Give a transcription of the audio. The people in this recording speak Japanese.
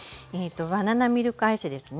バナナミルクアイスですね。